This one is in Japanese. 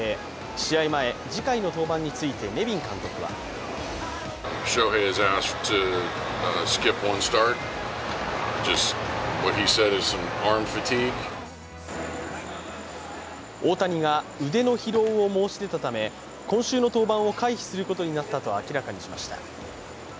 試合前、次回の登板についてネビン監督は大谷が腕の疲労を申し出たため、今週の登板を回避することになったと明らかにしました。